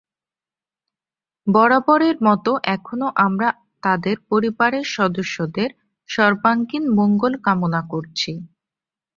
বরাবরের মতো এখনো আমরা তাদের পরিবারের সদস্যদের সর্বাঙ্গীণ মঙ্গল কামনা করছি।